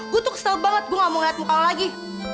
gue tuh kesel banget gue gak mau ngeliat muka lagi